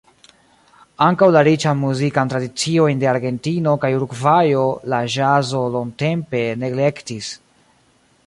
Ankaŭ la riĉan muzikan tradiciojn de Argentino kaj Urugvajo la ĵazo longtempe neglektis.